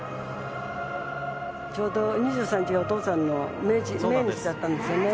ちょうど２３日、お父さんの命日だったんですよね。